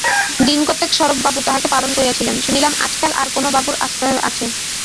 দিনকতক স্বরূপবাবু তাহাকে পালন করিয়াছিলেন, শুনিলাম আজকাল আর কোনো বাবুর আশ্রয়ে আছে।